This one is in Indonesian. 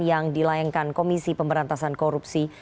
yang dilayangkan komisi pemberantasan korupsi